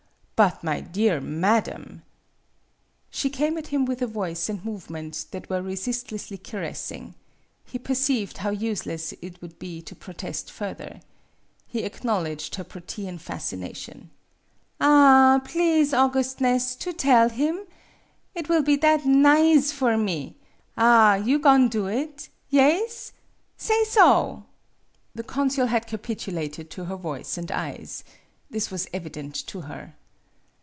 " But, my dear madame " She came at him with a voice and move ment that were resistlessly caressing. He perceived how useless it would be to pro test further. He acknowledged her protean fascination. " Ah h h ! Please, augustness, to tell him ? It will be that ni%e for me! Ah, you go'n' do it ? Yaes ? Say so !" The consul had c apitulated to her voice and eyes. This was evident to her.